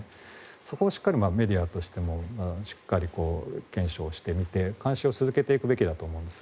そこをしっかりメディアとしてもしっかり検証してみて監視を続けていくべきだと思うんです。